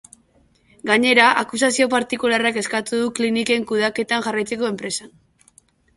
Gainera, akusazio partikularrak eskatu du kliniken kudeaketan jarraitzeko enpresan administratzaile bat izendatzea.